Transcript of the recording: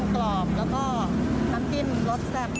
กรอบแล้วก็น้ำจิ้มรสแซ่บ